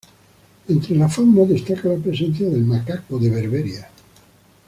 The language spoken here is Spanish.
Entre la fauna destaca la presencia del macaco de berbería.